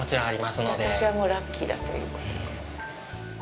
じゃあ、私はもうラッキーだということで。